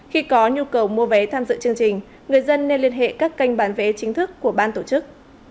khi có nhu cầu mua vé tham dự chương trình người dân nên liên hệ các kênh bán vé chính thức của ban tổ chức